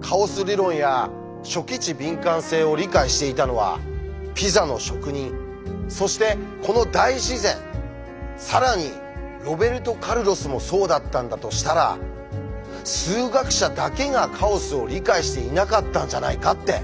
カオス理論や初期値敏感性を理解していたのはピザの職人そしてこの大自然更にロベルト・カルロスもそうだったんだとしたら数学者だけがカオスを理解していなかったんじゃないかって。